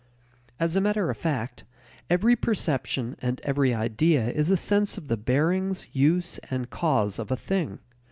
As matter of fact, every perception and every idea is a sense of the bearings, use, and cause, of a thing.